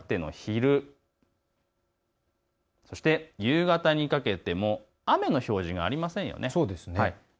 あさっての昼、そして夕方にかけても雨の表示がありませんよね。